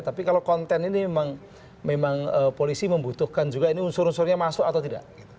tapi kalau konten ini memang polisi membutuhkan juga ini unsur unsurnya masuk atau tidak